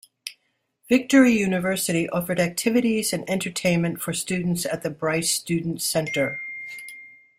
Victory University offered activities and entertainment for students at the Bryce Student Center.